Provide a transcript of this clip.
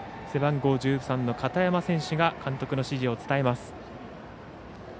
背番号１３番の片山選手が監督の指示を伝えます。